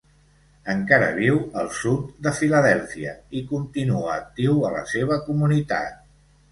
Encara viu al sud de Filadèlfia i continua actiu a la seva comunitat.